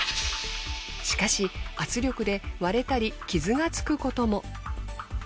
しかし圧力で割れたり傷がつくことも。